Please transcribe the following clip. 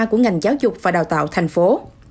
của ngành giáo dục và đào tạo thành phố